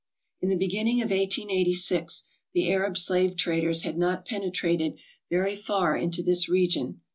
In the beginning of 1886 the Arab slave traders had not penetrated very far into this region.